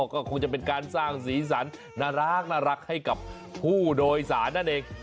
ก็คงจะเป็นการสร้างสีสันน่ารักให้กับผู้โดยสารนั่นเอง